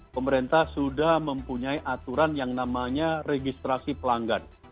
pemerintah sudah mempunyai aturan yang namanya registrasi pelanggan